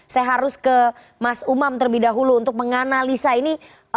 saya harus ke mas umam terlebih dahulu untuk menganalisa ini